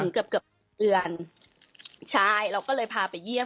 คือเกือบอย่างเดือนเราก็เลยพาไปเยี่ยม